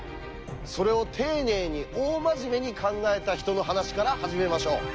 それを丁寧に大真面目に考えた人の話から始めましょう。